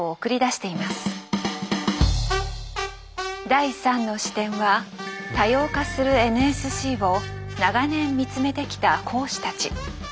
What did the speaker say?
第３の視点は多様化するＮＳＣを長年見つめてきた講師たち。